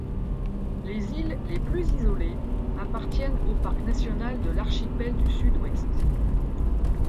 Les îles les plus isolées appartiennent au parc national de l'archipel du sud-ouest.